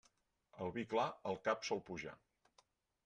El vi clar al cap sol pujar.